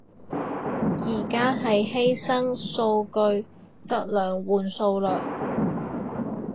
而家係犧牲數據質量換數量